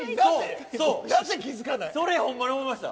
それホンマに思いました。